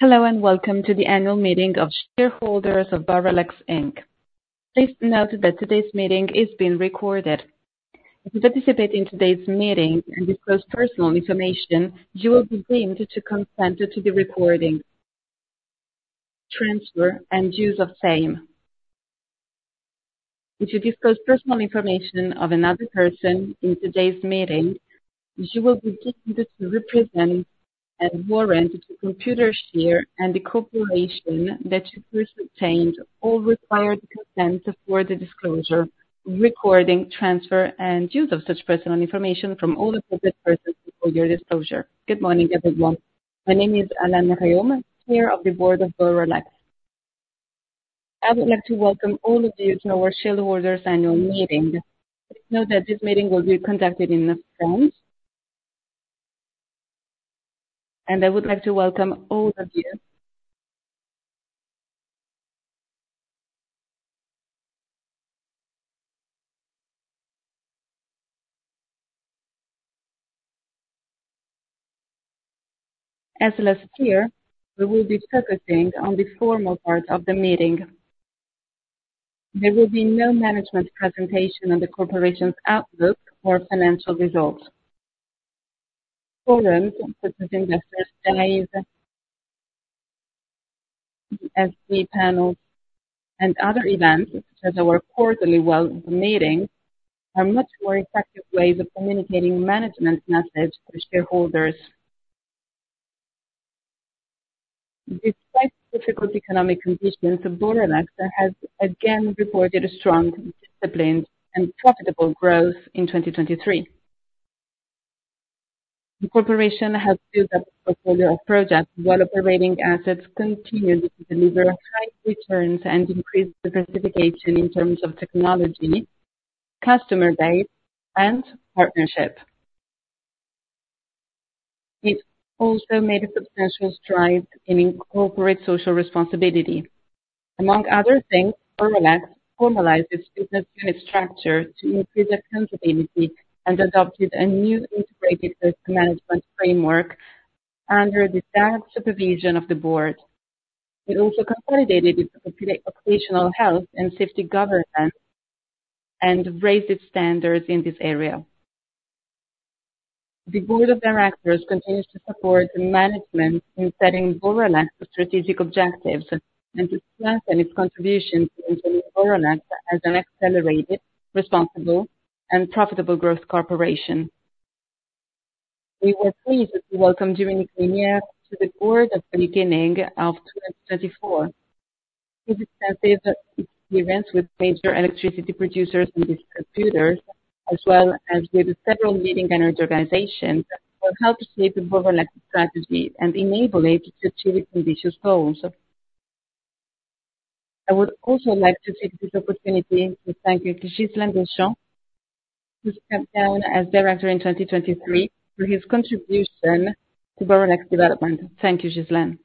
Hello, welcome to the annual meeting of shareholders of Boralex Inc. Please note that today's meeting is being recorded. If you participate in today's meeting and disclose personal information, you will be deemed to consent to the recording, transfer, and use of same. If you disclose personal information of another person in today's meeting, you will be deemed to represent and warrant to shareholders and the corporation that you first obtained all required consents for the disclosure, recording, transfer, and use of such personal information from all affected persons before your disclosure. Good morning, everyone. My name is Alain Rhéaume, Chair of the Board of Boralex. I would like to welcome all of you to our shareholders' annual meeting. Please note that this meeting will be conducted in French. I would like to welcome all of you. As less here, we will be focusing on the formal part of the meeting. There will be no management presentation on the corporation's outlook or financial results. Forums such as Investor Day, the ESG panels, and other events, such as our quarterly web meetings, are much more effective ways of communicating management message to shareholders. Despite difficult economic conditions, Boralex has again reported a strong discipline and profitable growth in 2023. The corporation has built up a portfolio of projects while operating assets continuously deliver high returns and increase diversification in terms of technology, customer base, and partnership. We've also made a substantial stride in incorporate social responsibility. Among other things, Boralex formalized its business unit structure to increase accountability and adopted a new integrated risk management framework under the supervision of the Board. It also consolidated its occupational health and safety governance and raised its standards in this area. The board of directors continues to support the management in setting Boralex strategic objectives and to strengthen its contribution in making Boralex as an accelerated, responsible, and profitable growth corporation. We were pleased to welcome Dominique Minière to the board at the beginning of 2024. His extensive experience with major electricity producers and distributors, as well as with several leading energy organizations, will help shape the Boralex strategy and enable it to achieve ambitious goals. I would also like to take this opportunity to thank Ghyslain Deschamps, who stepped down as director in 2023 for his contribution to Boralex development. Thank you, Ghyslain.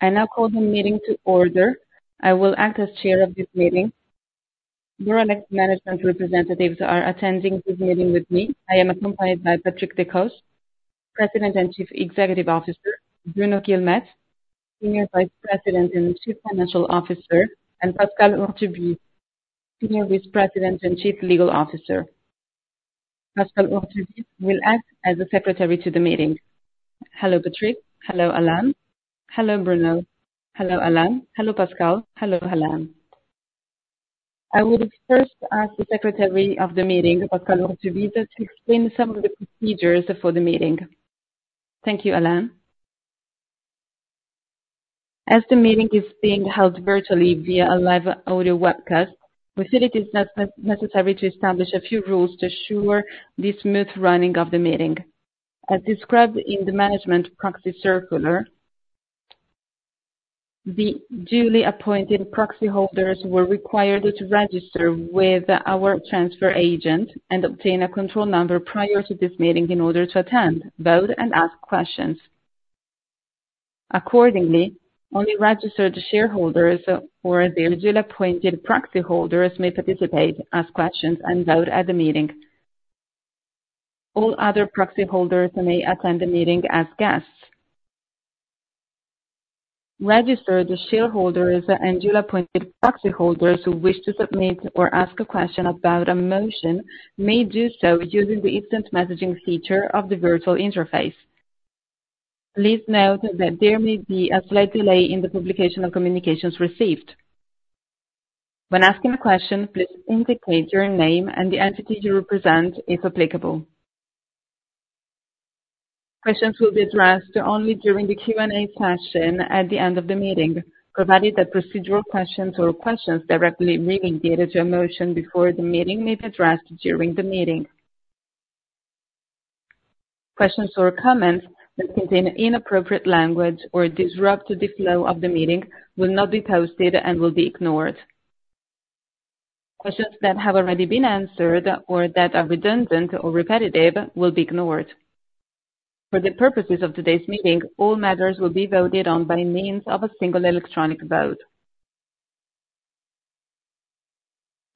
I now call the meeting to order. I will act as chair of this meeting. Boralex management representatives are attending this meeting with me. I am accompanied by Patrick Decostre, President and Chief Executive Officer, Bruno Guilmette, Senior Vice President and Chief Financial Officer, and Pascal Hurtubise, Senior Vice President and Chief Legal Officer. Pascal Hurtubise will act as the secretary to the meeting. Hello, Patrick. Hello, Alain. Hello, Bruno. Hello, Alain. Hello, Pascal. Hello, Alain. I would first ask the Secretary of the meeting, Pascal Hurtubise, to explain some of the procedures for the meeting. Thank you, Alain. As the meeting is being held virtually via a live audio webcast, we feel it is necessary to establish a few rules to ensure the smooth running of the meeting. As described in the management proxy circular, the duly appointed proxy holders were required to register with our transfer agent and obtain a control number prior to this meeting in order to attend, vote, and ask questions. Accordingly, only registered shareholders or their duly appointed proxy holders may participate, ask questions, and vote at the meeting. All other proxy holders may attend the meeting as guests. Registered shareholders and duly appointed proxy holders who wish to submit or ask a question about a motion may do so using the instant messaging feature of the virtual interface. Please note that there may be a slight delay in the publication of communications received. When asking a question, please indicate your name and the entity you represent, if applicable. Questions will be addressed only during the Q&A session at the end of the meeting, provided that procedural questions or questions directly relating to a motion before the meeting may be addressed during the meeting. Questions or comments that contain inappropriate language or disrupt the flow of the meeting will not be posted and will be ignored. Questions that have already been answered or that are redundant or repetitive will be ignored. For the purposes of today's meeting, all matters will be voted on by means of a single electronic vote.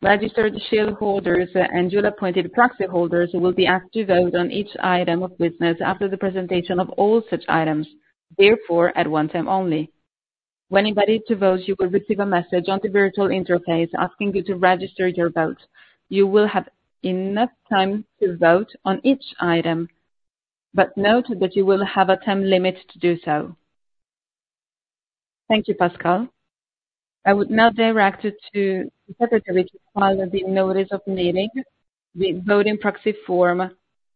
Registered shareholders and duly appointed proxyholders will be asked to vote on each item of business after the presentation of all such items. Therefore, at one time only. When invited to vote, you will receive a message on the virtual interface asking you to register your vote. You will have enough time to vote on each item, but note that you will have a time limit to do so. Thank you, Pascal. I would now direct to the secretary to file the notice of the meeting, the voting proxy form,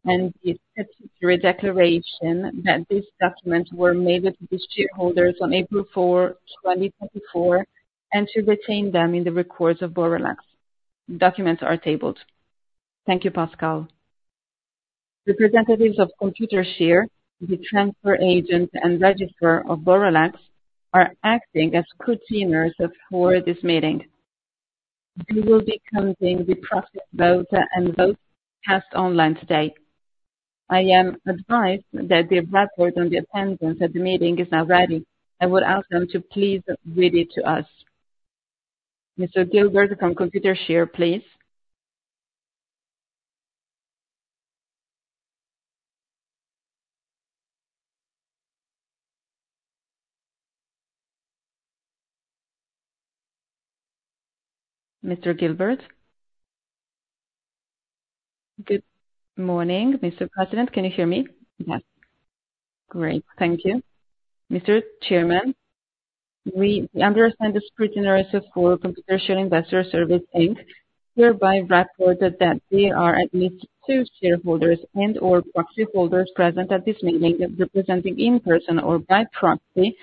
and the statutory declaration that these documents were mailed to the shareholders on April 4th, 2024, and to retain them in the records of Boralex.Documents are tabled. Thank you, Pascal. Representatives of Computershare, the transfer agent, and registrar of Boralex, are acting as scrutineers for this meeting. They will be counting the proxy votes and votes cast online today. I am advised that the report on the attendance at the meeting is now ready. I would ask them to please read it to us. Mr. Gilbert from Computershare, please. Mr. Gilbert? Good morning, Mr. President. Can you hear me? Yes. Great. Thank you. Mr. Chairman, we, the undersigned scrutineers for Computershare Investor Services Inc., hereby report that there are at least two shareholders and/or proxyholders present at this meeting, representing in person or by proxy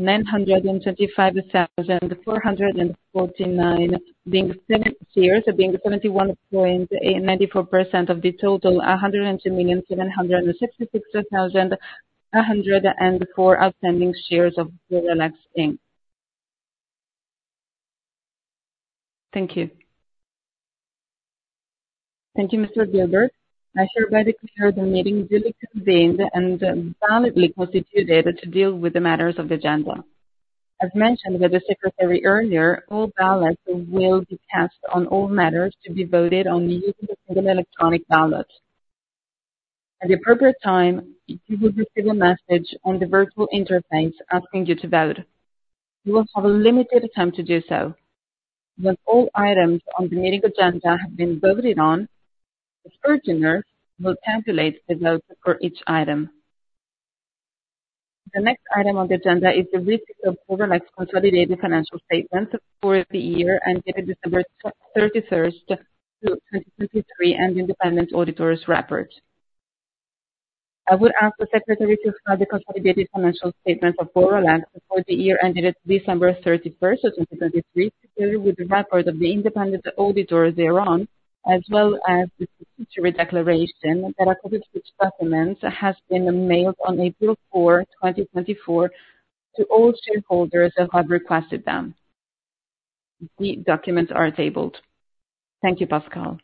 73,925,449 being shares, being 71.94% of the total 102,766,104 outstanding shares of Boralex Inc. Thank you. Thank you, Mr. Gilbert. I hereby declare the meeting duly convened and validly constituted to deal with the matters of the agenda. As mentioned by the secretary earlier, all ballots will be cast on all matters to be voted on using the electronic ballot. At the appropriate time, you will receive a message on the virtual interface asking you to vote. You will have a limited time to do so. When all items on the meeting agenda have been voted on, the scrutineer will tabulate the votes for each item. The next item on the agenda is the review of Boralex consolidated financial statements for the year ended December 31st, 2023, and the independent auditor's report. I would ask the secretary to file the consolidated financial statements of Boralex for the year ended December 31st, 2023, together with the report of the independent auditor thereon, as well as the statutory declaration that a copy of these documents has been mailed on April 4, 2024, to all shareholders that have requested them. The documents are tabled. Thank you, Pascal.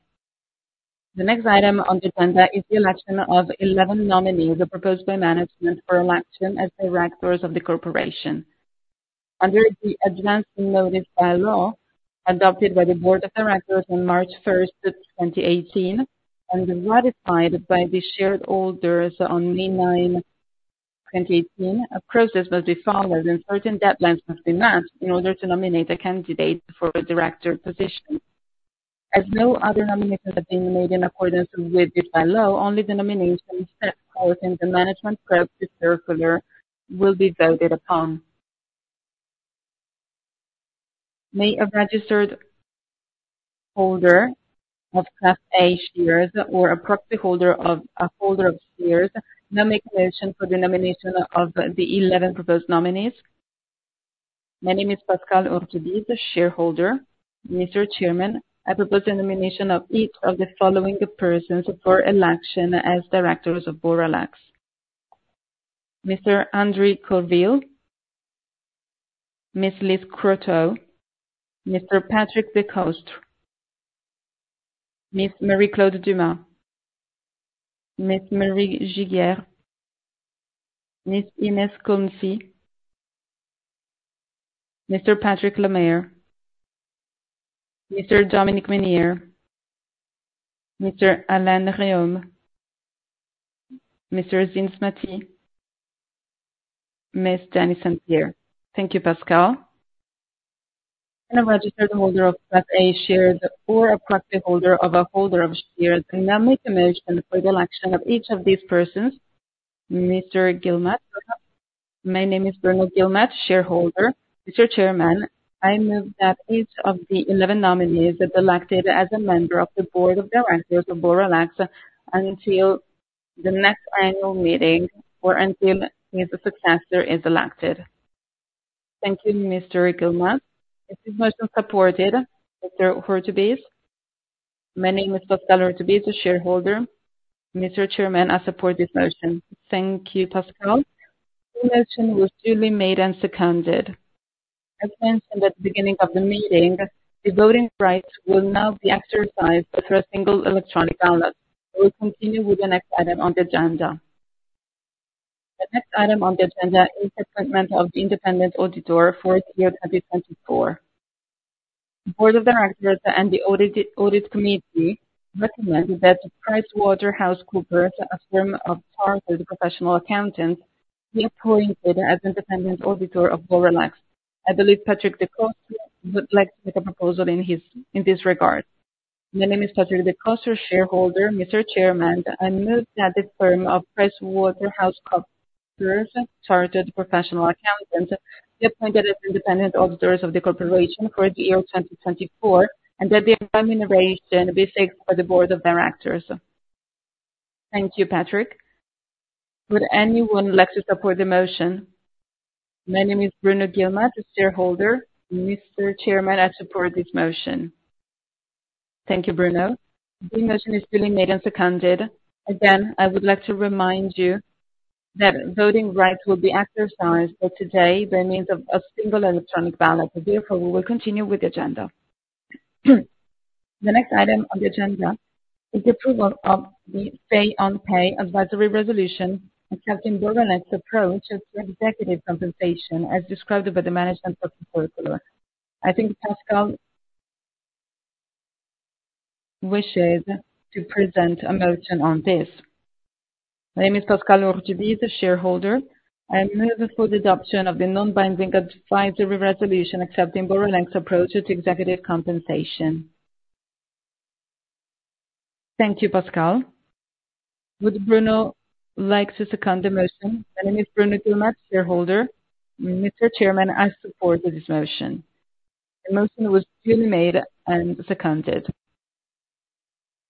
The next item on the agenda is the election of 11 nominees proposed by management for election as directors of the corporation. Under the shareholder rights plan adopted by the board of directors on March 1st, 2018, and ratified by the shareholders on May 9, 2018, a process must be followed and certain deadlines must be met in order to nominate a candidate for a director position. As no other nominations have been made in accordance with the by-law, only the nominations set out in the management proxy circular will be voted upon. May a registered holder of Class A shares or a proxyholder of a holder of shares now make a motion for the nomination of the 11 proposed nominees? My name is Pascal Hurtubise, a shareholder. Mr. Chairman, I propose the nomination of each of the following persons for election as directors of Boralex: Mr. André Courville, Ms. Lise Croteau, Mr. Patrick Decostre, Ms. Marie-Claude Dumas, Ms. Marie Giguère, Ms. Ines Kolmsee, Mr. Patrick Lemaire, Mr. Dominique Minière, Mr. Alain Rhéaume, Mr. Zin Smati, Ms. Dany St-Pierre. Thank you, Pascal. May a registered holder of Class A shares or a proxyholder of a holder of shares now make a motion for the election of each of these persons. Mr. Guilmette. My name is Bruno Guilmette, shareholder. Mr. Chairman, I move that each of the 11 nominees be elected as a member of the board of directors of Boralex until the next annual meeting or until his successor is elected. Thank you, Mr. Guilmette. Is this motion supported, Mr. Hurtubise? My name is Pascal Hurtubise, a shareholder. Mr. Chairman, I support this motion. Thank you, Pascal.The motion was duly made and seconded. As mentioned at the beginning of the meeting, the voting rights will now be exercised through a single electronic ballot. I will continue with the next item on the agenda. The next item on the agenda is appointment of the independent auditor for its year 2024. Board of directors and the audit committee recommend that PricewaterhouseCoopers, a firm of chartered professional accountants, be appointed as independent auditor of Boralex. I believe Patrick Decostre would like to make a proposal in this regard. My name is Patrick Decostre, shareholder. Mr. Chairman, I move that the firm of PricewaterhouseCoopers, chartered professional accountants, be appointed as independent auditors of the corporation for the year 2024, and that the remuneration be fixed by the board of directors. Thank you, Patrick. Would anyone like to support the motion? My name is Bruno Guilmette, a shareholder. Mr. Chairman, I support this motion. Thank you, Bruno. The motion is duly made and seconded. Again, I would like to remind you that voting rights will be exercised for today by means of a single electronic ballot. We will continue with the agenda. The next item on the agenda is approval of the say on pay advisory resolution accepting Boralex's approach to executive compensation as described by the management of the corporation. I think Pascal wishes to present a motion on this. My name is Pascal Orazi, the shareholder. I move for the adoption of the non-binding advisory resolution accepting Boralex's approach to executive compensation. Thank you, Pascal. Would Bruno like to second the motion? My name is Bruno Guilmette, shareholder. Mr. Chairman, I support this motion. The motion was duly made and seconded.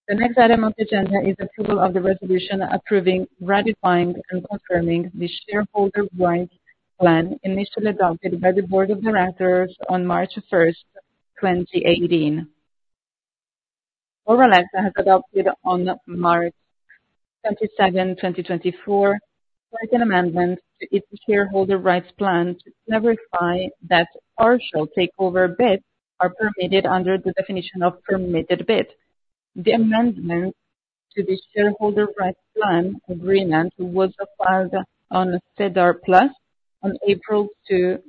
The next item on the agenda is approval of the resolution approving, ratifying, and confirming the shareholder rights plan initially adopted by the board of directors on March 1st, 2018. Boralex has adopted on March 22nd, 2024, certain amendments to its shareholder rights plan to clarify that partial takeover bids are permitted under the definition of permitted bid. The amendment to the shareholder rights plan agreement was filed on SEDAR+ on April 2nd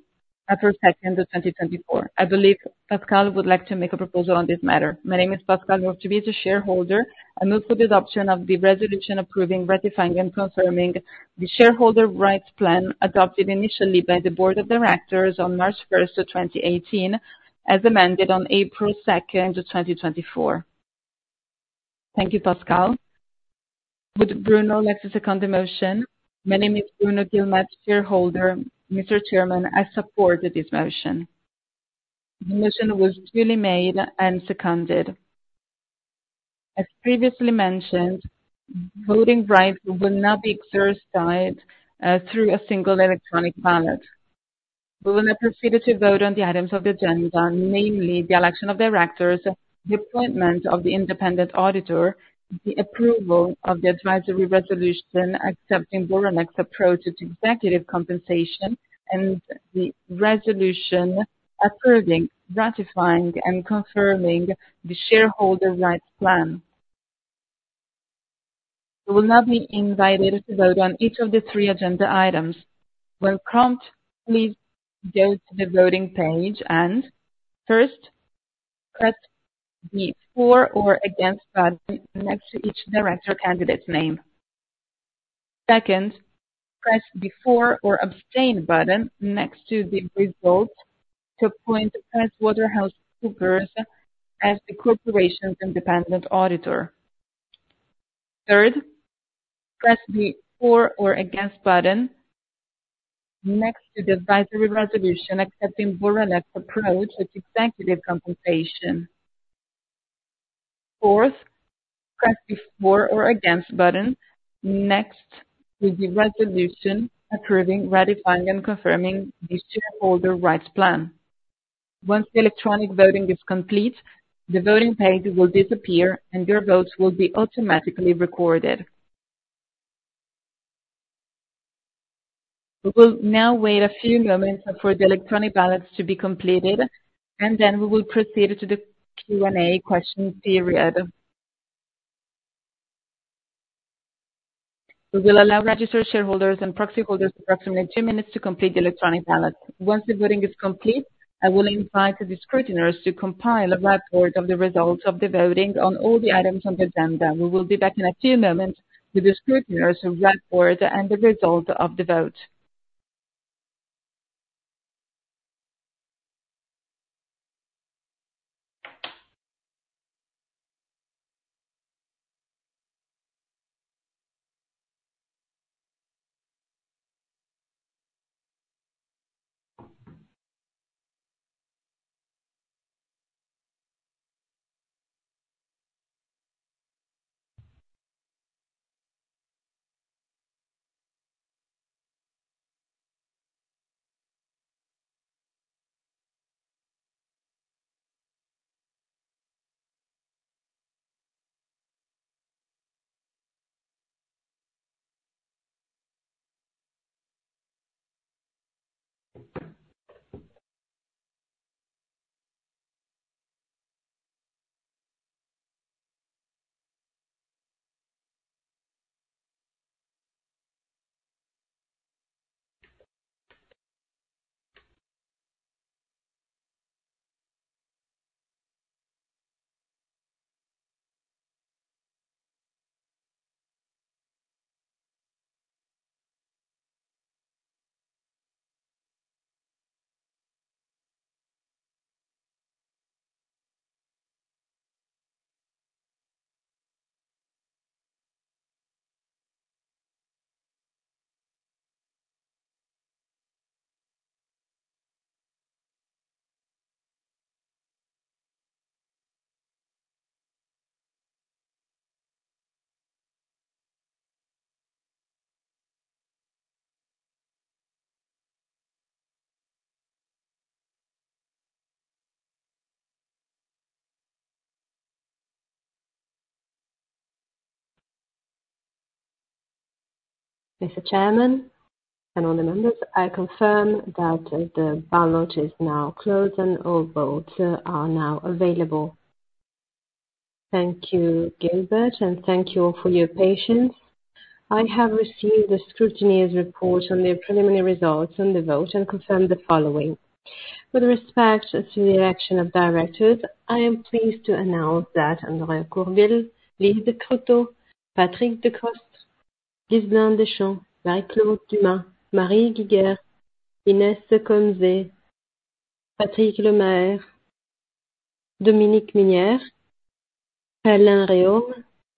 of 2024. I believe Pascal would like to make a proposal on this matter. My name is Pascal Orazi, shareholder. I move for the adoption of the resolution approving, ratifying, and confirming the shareholder rights plan adopted initially by the board of directors on March 1st of 2018, as amended on April 2nd of 2024. Thank you, Pascal. Would Bruno like to second the motion? My name is Bruno Guilmette, shareholder. Mr. Chairman, I support this motion. The motion was duly made and seconded. As previously mentioned, voting rights will now be exercised through a single electronic ballot. We will now proceed to vote on the items of the agenda, namely the election of directors, the appointment of the independent auditor, the approval of the advisory resolution accepting Boralex's approach to executive compensation, and the resolution approving, ratifying, and confirming the shareholder rights plan. You will now be invited to vote on each of the three agenda items. When prompt, please go to the voting page and first press the For or Against button next to each director candidate's name. Second, press the For or Abstain button next to the resolve to appoint PricewaterhouseCoopers as the corporation's independent auditor. Third, press the For or Against button next to the advisory resolution accepting Boralex's approach to executive compensation. Fourth, press the For or Against button next to the resolution approving, ratifying, and confirming the shareholder rights plan. Once the electronic voting is complete, the voting page will disappear, and your votes will be automatically recorded. We will now wait a few moments for the electronic ballots to be completed, and then we will proceed to the Q&A question period. We will allow registered shareholders and proxy holders approximately two minutes to complete the electronic ballot. Once the voting is complete, I will invite the scrutinizers to compile a board of the results of the voting on all the items on the agenda. We will be back in a few moments with the scrutinizer's board and the result of the vote. Mr. Chairman and all the members, I confirm that the ballot is now closed and all votes are now available. Thank you, Gilbert, and thank you all for your patience. I have received the scrutineer's report on the preliminary results on the vote and confirm the following. With respect to the election of directors, I am pleased to announce that André Courville, Lise Croteau, Patrick Decostre, Ghyslain Deschamps, Marie-Claude Dumas, Marie Giguère, Ines Kolmsee, Patrick Lemaire, Dominique Minière, Alain Rhéaume,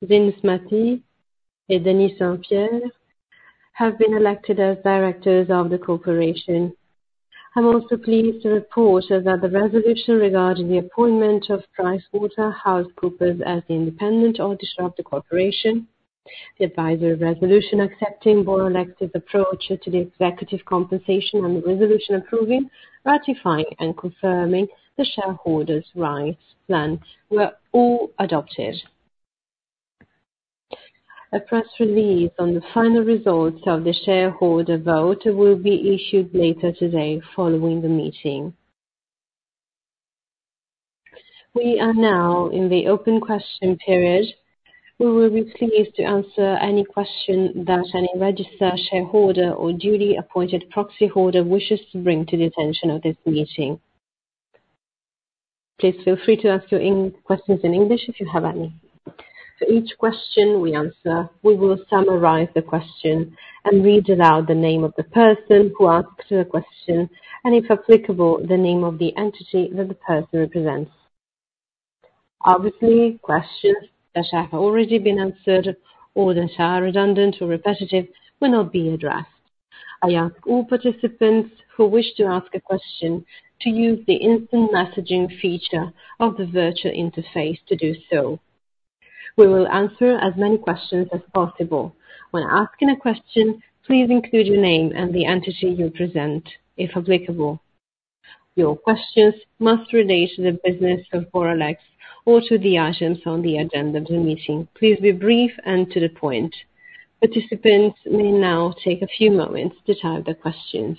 Zin Smati, and Dany St-Pierre have been elected as directors of the corporation. I'm also pleased to report that the resolution regarding the appointment of PricewaterhouseCoopers as the independent auditor of the corporation, the advisory resolution accepting Boralex's approach to the executive compensation, and the resolution approving, ratifying, and confirming the shareholder rights plan were all adopted. A press release on the final results of the shareholder vote will be issued later today following the meeting. We are now in the open question period. We will be pleased to answer any question that any registered shareholder or duly appointed proxyholder wishes to bring to the attention of this meeting. Please feel free to ask your questions in English if you have any. For each question we answer, we will summarize the question and read aloud the name of the person who asked the question, and if applicable, the name of the entity that the person represents. Obviously, questions that have already been answered or that are redundant or repetitive will not be addressed. I ask all participants who wish to ask a question to use the instant messaging feature of the virtual interface to do so. We will answer as many questions as possible. When asking a question, please include your name and the entity you present, if applicable. Your questions must relate to the business of Boralex or to the items on the agenda of the meeting. Please be brief and to the point. Participants may now take a few moments to type their questions.